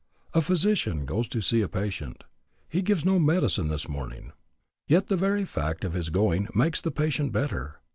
A physician goes to see a patient. He gives no medicine this morning. Yet the very fact of his going makes the patient better.